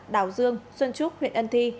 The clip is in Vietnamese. đào dương xuân trúc huyện ân thi